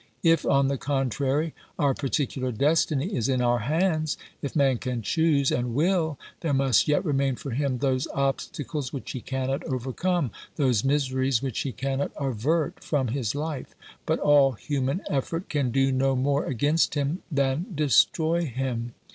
If, on the contrary, our particular destiny is in our hands, if man can choose and will, there must yet remain for him those obstacles which he cannot overcome, those miseries which he cannot avert from his life ; but all human effort can do no more against him than destroy him.